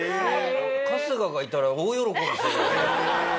春日がいたら大喜びする。